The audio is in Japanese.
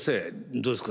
どうですか？